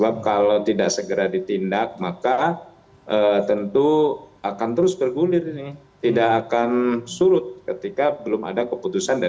bahwa dari hasil kajian